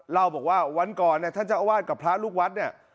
เล่าบอกว่าวันก่อนเนี่ยท่านเจ้าอาวาสกับพระลูกวัดเนี่ย